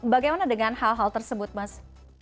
bagaimana dengan hal hal tersebut mas